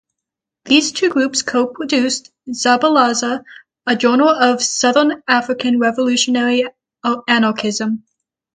These two groups co-produced "Zabalaza: A Journal of Southern African Revolutionary Anarchism".